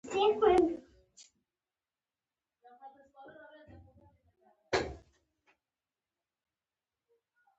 تللو فیصله مې وکړه.